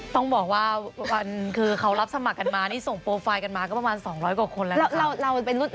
ต้องบอกว่าคือเขารับสมัครกันมานี่ส่งโปรไฟล์กันมาก็ประมาณ๒๐๐กว่าคนแล้ว